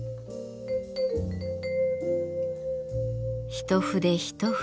一筆一筆